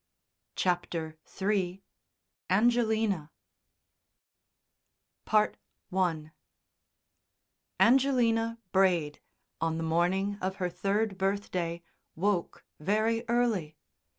CHAPTER III ANGELINA I Angelina Braid, on the morning of her third birthday, woke very early.